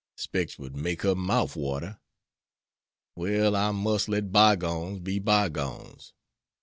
Specs 'twould make her mouf water. Well, I mus' let by gones be by gones.